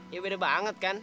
ya beda banget kan